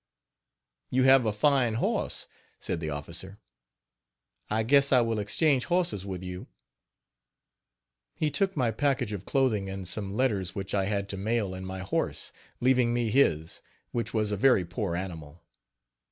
" "You have a fine horse," said the officer, "I guess I will exchange horses with you." He took my package of clothing and some letters which I had to mail and my horse, leaving me his, which was a very poor animal.